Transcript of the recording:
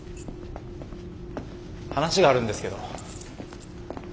話があるんですけど。